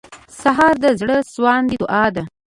سهار د زړسواندو دعا ده.